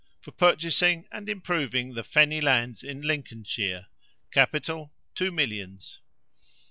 For purchasing and improving the fenny lands in Lincolnshire. Capital, two millions.